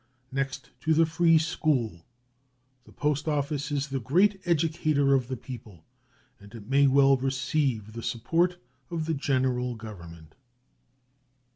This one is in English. Next to the free school, the post office is the great educator of the people, and it may well receive the support of the General Government.